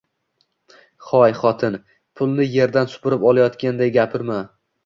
Hoy, xotin, pulni erdan supurib olganday gapirma